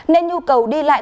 nên nhu cầu đi lại